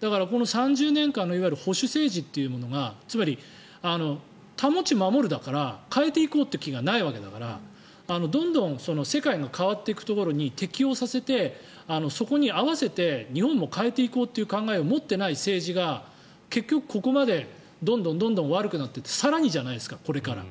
だから、この３０年間の保守政治というものがつまり保ち守るだから変えていこうという気がないわけだからどんどん世界が変わっていくところに適応させてそこに合わせて日本も変えていこうっていう考えを持っていない政治が結局、ここまでどんどん悪くなってって更にじゃないですか、これから。